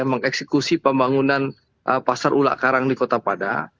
mengeksekusi pembangunan pasar ulak karang di kota padang